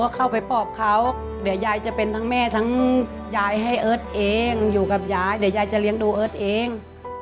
เราก็เข้าไปป็อบเขาเดี๋ยวยายจะเป็นแม่ให้เอิร์ทเองอยู่กับใหญ่เดี๋ยวยายจะเลี้ยงดูเอิร์ทเอง